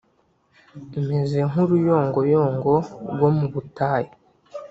Meze nkuru yongo yongo rwo mubutayu